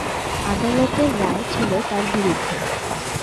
আদালতের রায় ছিল তার বিরুদ্ধে।